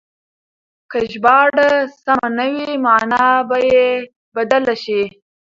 که ژباړه سمه نه وي مانا به يې بدله شي.